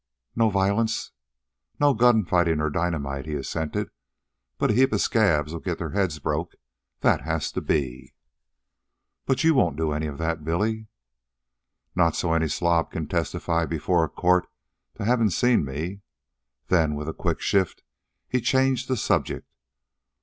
"No violence." "No gun fighting or dynamite," he assented. "But a heap of scabs'll get their heads broke. That has to be." "But you won't do any of that, Billy." "Not so as any slob can testify before a court to havin' seen me." Then, with a quick shift, he changed the subject.